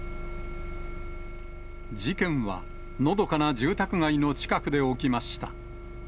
事件は、のどかな住宅街の近くで起きました。